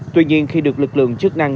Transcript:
tuy nhiên khi được lực lượng chức năng